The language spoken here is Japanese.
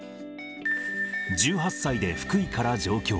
１８歳で福井から上京。